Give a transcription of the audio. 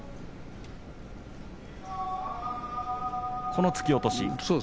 この突き落とし。